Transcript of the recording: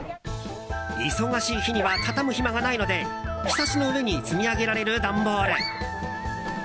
忙しい日には畳む暇がないのでひさしの上に積み上げられる段ボール。